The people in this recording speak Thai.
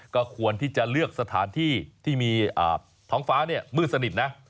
ก็ควรที่จะเลือกสถานที่ที่มีท้องฟ้ามืดสนิทนะ